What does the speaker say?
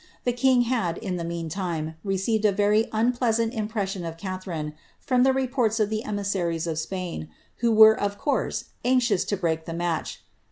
The king had, in the mean time, received a \ery unpleasant impression of Catharine, from the reports of the emis saries of Spain, who were of course anxious to break the match.